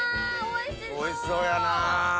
おいしそうやな。